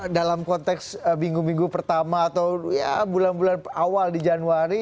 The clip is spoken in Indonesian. dalam konteks minggu minggu pertama atau ya bulan bulan awal di januari